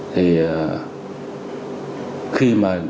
thì khi mà